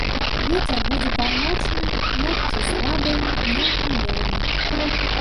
Вецер будзе паўночны, ноччу слабы, днём умераны.